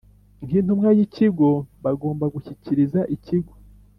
nk Intumwa y Ikigo bagomba gushyikiriza Ikigo